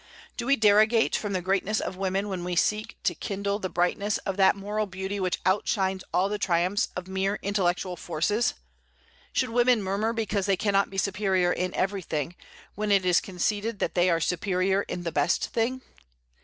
Do we derogate from the greatness of women when we seek to kindle the brightness of that moral beauty which outshines all the triumphs of mere intellectual forces? Should women murmur because they cannot be superior in everything, when it is conceded that they are superior in the best thing?